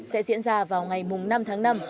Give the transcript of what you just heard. sẽ diễn ra vào ngày năm tháng năm